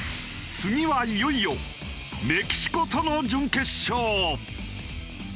次はいよいよメキシコとの準決勝！